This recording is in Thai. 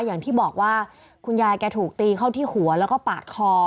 อย่างที่บอกว่าคุณยายแกถูกตีเข้าที่หัวแล้วก็ปาดคอ